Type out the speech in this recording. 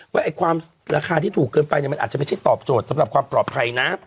ว่าความราคาที่ถูกเกินไปเนี่ยมันอาจจะไม่ใช่ตอบโจทย์สำหรับความปลอดภัยนะ